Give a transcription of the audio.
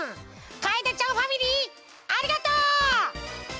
かえでちゃんファミリーありがとう！